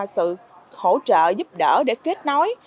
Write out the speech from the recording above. sự hỗ trợ giúp đỡ để kết nối